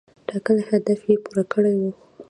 ټاکلی هدف یې پوره کړی و.